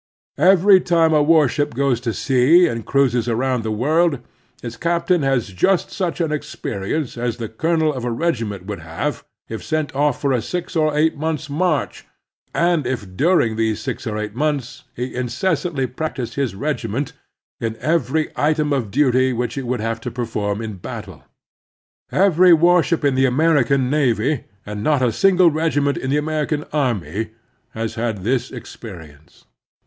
Every time a warship goes to sea and cruises around the world, its captain has just such an experience as the colonel of a regiment would have if sent off for a six or eight months' march, and if during those six or eight months he inces santly practised his regiment in every item of duty which it would have to perform in battle. Every warship in the American navy, and not a single regiment in the American army, had had this experience.